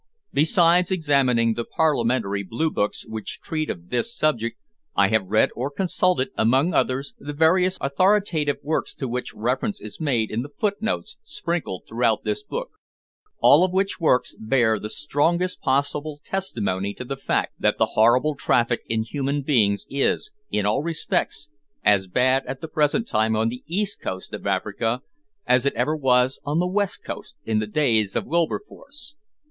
Besides examining the Parliamentary Blue books which treat of this subject, I have read or consulted, among others, the various authoritative works to which reference is made in the foot notes sprinkled throughout this book, all of which works bear the strongest possible testimony to the fact that the horrible traffic in human beings is in all respects as bad at the present time on the east coast of Africa as it ever was on the west coast in the days of Wilberforce.